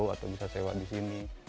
atau bisa sewa di sini